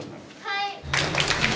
はい。